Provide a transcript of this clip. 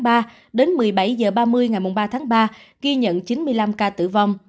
số bệnh nhân tử vong tính từ một mươi bảy h ba mươi ngày ba tháng ba kia nhận chín mươi năm ca tử vong